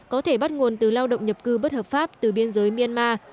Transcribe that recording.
có thể bắt nguồn từ lao động nhập cư bất hợp pháp từ biên giới myanmar